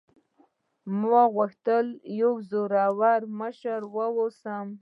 او ما غوښتل یوه زړوره مشره واوسم.